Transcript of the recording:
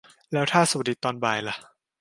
แล้วถ้าสวัสดีตอนบ่ายล่ะ